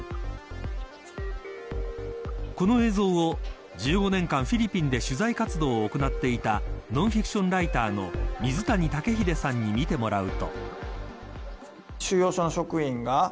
この映像を１５年間フィリピンで取材活動を行っていたノンフィクションライターの水谷竹秀さんに見てもらうと。